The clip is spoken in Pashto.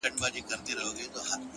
هره پوښتنه د پوهې نوې دروازه ده!